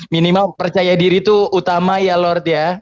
minimal percaya diri itu utama ya lord ya